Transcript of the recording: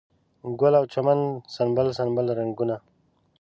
ګل او چمن سنبل، سنبل رنګونه